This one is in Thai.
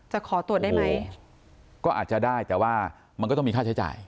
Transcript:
ขอตรวจได้ไหมก็อาจจะได้แต่ว่ามันก็ต้องมีค่าใช้จ่าย